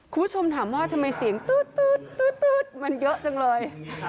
คุณชมถามว่าทำไมเสียงมันเยอะจังเลย